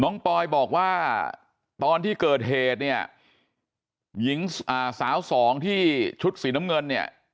ปอยบอกว่าตอนที่เกิดเหตุเนี่ยหญิงสาวสองที่ชุดสีน้ำเงินเนี่ย